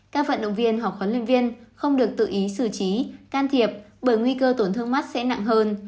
các vận động viên hoặc huấn luyện viên không được tự ý xử trí can thiệp bởi nguy cơ tổn thương mắt sẽ nặng hơn